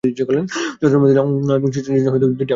ছাত্রদের জন্য দুইটি এবং ছাত্রীদের জন্য একটি আবাসিক হল রয়েছে।